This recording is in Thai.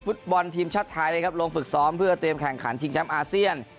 ฟุตบอลทีมชาติไทยนะครับลงฝึกซ้อมเพื่อเตรียมแข่งขันชิงแชมป์อาเซียน